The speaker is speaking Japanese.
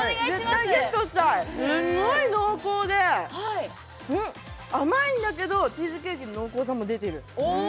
絶対ゲットしたいすんごい濃厚で甘いんだけどチーズケーキの濃厚さも出てるおお！